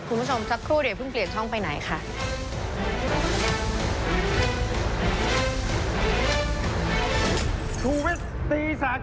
คุณผู้ชมสักครู่เดี๋ยวเพิ่งเปลี่ยนช่องไปไหนค่ะ